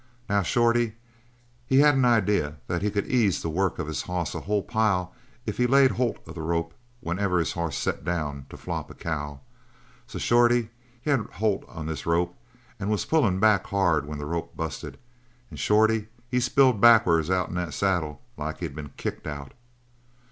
Now, Shorty, he had an idea that he could ease the work of his hoss a whole pile if he laid holts on the rope whenever his hoss set down to flop a cow. So Shorty, he had holt on this rope and was pulling back hard when the rope busted, and Shorty, he spilled backwards out'n that saddle like he'd been kicked out.